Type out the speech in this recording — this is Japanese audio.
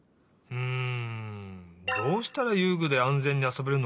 うん。